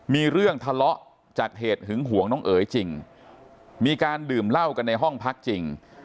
มีเรื่องทะเลาะจากเหตุหึงห่วงน้องเอ๋ยจริงมีการดื่มเหล้ากันในห้องพักจริง